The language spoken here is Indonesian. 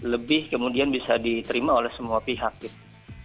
lebih kemudian bisa diterima oleh semua pihak gitu